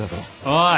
おい！